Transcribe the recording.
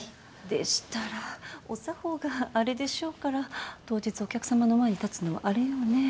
でしたらお作法があれでしょうから当日お客さまの前に立つのはあれよねぇ？